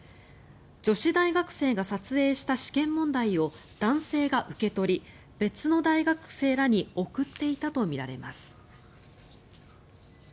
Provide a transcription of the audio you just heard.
女子大学生が撮影した試験問題を男性が受け取り別の大学生らに送っていたとみられます。